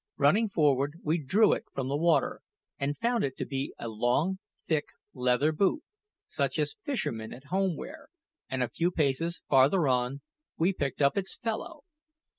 Running forward, we drew it from the water, and found it to be a long, thick, leather boot, such as fishermen at home wear; and a few paces farther on, we picked up its fellow.